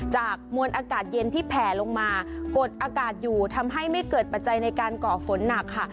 มวลอากาศเย็นที่แผ่ลงมากดอากาศอยู่ทำให้ไม่เกิดปัจจัยในการก่อฝนหนักค่ะ